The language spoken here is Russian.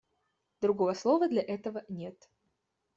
Другого слова для этого нет.